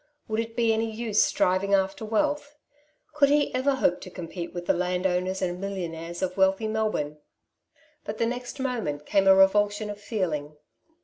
Would it be any use striv ing after wealth ? Could he ever hope to compete with the landowners and millionaires of wealthy Melbourne ? But the next moment came a revulsion of feeling.